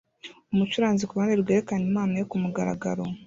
Umucuranzi kuruhande rwerekana impano ye kumugaragaro